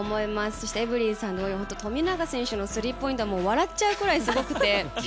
そして、エブリンさんが言うように富永選手のスリーポイントは笑っちゃうぐらいすごくて。